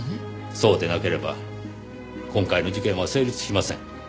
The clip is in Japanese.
そうでなければ今回の事件は成立しません。